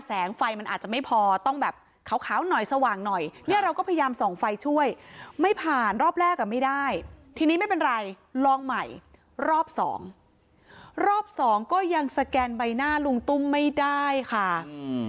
แสงไฟมันอาจจะไม่พอต้องแบบขาวขาวหน่อยสว่างหน่อยเนี่ยเราก็พยายามส่องไฟช่วยไม่ผ่านรอบแรกอ่ะไม่ได้ทีนี้ไม่เป็นไรลองใหม่รอบสองรอบสองก็ยังสแกนใบหน้าลุงตุ้มไม่ได้ค่ะอืม